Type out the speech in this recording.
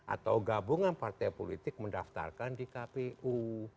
atau gabungan partai politik mendaftarkan di kpu